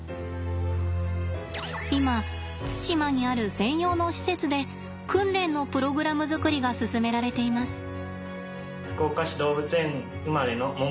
今対馬にある専用の施設で訓練のプログラム作りが進められています。